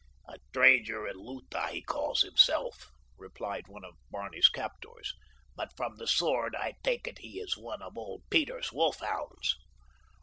"A stranger in Lutha he calls himself," replied one of Barney's captors. "But from the sword I take it he is one of old Peter's wolfhounds."